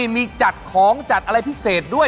มีจัดของจัดอะไรพิเศษด้วย